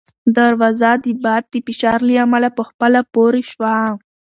دروازه د باد د فشار له امله په خپله پورې شوه.